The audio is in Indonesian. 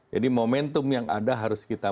jadi momentum yang ada harus kita